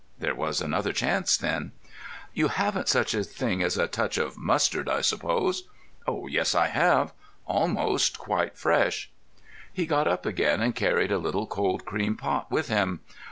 There was another chance, then. "You haven't got such a thing as a touch of mustard, I suppose?" "Oh yes, I have. Almost quite fresh." He got up again, and carried a little cold cream pot with him.